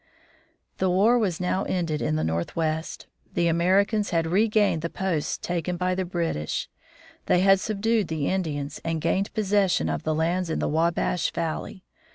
The war was now ended in the Northwest. The Americans had regained the posts taken by the British; they had subdued the Indians, and gained possession of the lands in the Wabash Valley.